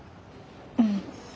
うん。